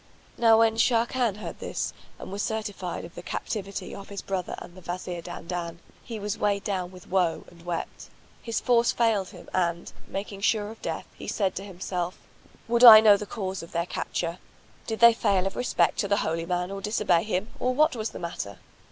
Now when Sharrkan heard this and was certified of the captivity of his brother and the Wazir Dandan, he was weighed down with woe and wept; his force failed him and, making sure of death, he said to himself, "Would I knew the cause of their capture! Did they fail of respect to the holy man or disobey him, or what was the matter?"